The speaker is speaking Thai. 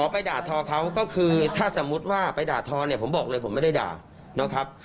ไปด่าทอเขาก็คือถ้าสมมุติว่าไปด่าทอเนี่ยผมบอกเลยผมไม่ได้ด่านะครับ